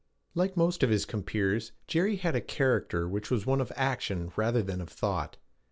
Like most of his compeers, Jerry had a character which was one of action rather than of thought.